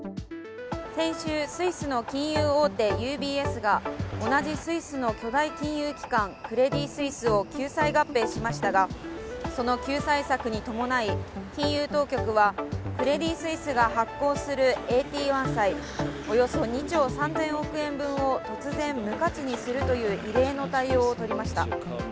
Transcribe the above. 先週、スイスの金融大手ＵＢＳが同じスイスの巨大金融機関クレディ・スイスを救済合併しましたがその救済策に伴い、金融当局はクレディ・スイスが発行するＡＴ１債、およそ２兆３０００億円分を突然、無価値にするという異例の対応をとりました。